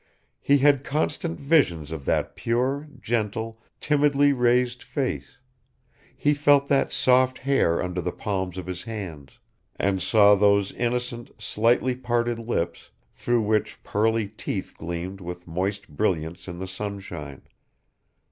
He had constant visions of that pure, gentle, timidly raised face; he felt that soft hair under the palms of his hands, and saw those innocent, slightly parted lips, through which pearly teeth gleamed with moist brilliance in the sunshine.